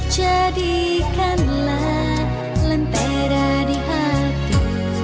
jadikanlah lentera di hati